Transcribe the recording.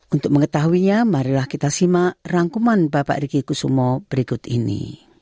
untuk mengetahuinya marilah kita simak rangkuman bapak riki kusumo berikut ini